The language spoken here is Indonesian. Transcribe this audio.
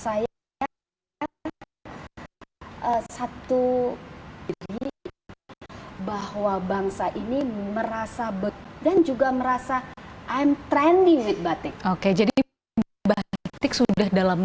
satu bahwa bangsa ini merasa dan juga merasa and trending batik oke jadi batik sudah dalam